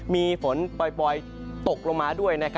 มีฝนปล่อยตกลงมาด้วย